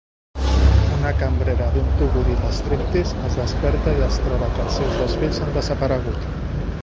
Una cambrera d'un tuguri de striptease es desperta i es troba que els seus dos fills han desaparegut.